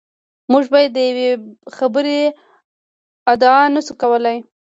موږ بیا د یوې خبرې ادعا نشو کولای.